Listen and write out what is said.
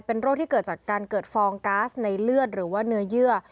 เป็นโรคที่เกิดจากการเกิดฟองก๊าซในเลือดหรือว่าเนื้อเยื่อ